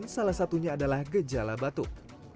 salah satunya adalah gejala batuk